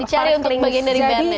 dicari untuk yang bagian dari bandnya